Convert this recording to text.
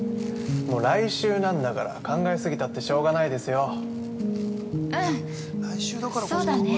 来週なんだから考え過ぎたってしょうがないですよ。